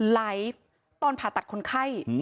ไลฟ์ตอนผ่าตัดคนไข้